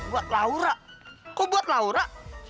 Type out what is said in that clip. buat laura kok buat laura